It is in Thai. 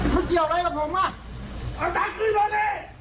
ร้อนทางคืนมานี่เฮ้อ